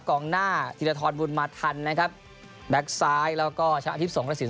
กองหน้าธีรธรบุญมาธรรมแบ็คซ้ายแล้วก็ชนะอาทิตย์ส่งกระสิน